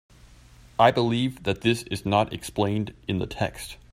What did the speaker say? I believe that this is not explained in the text.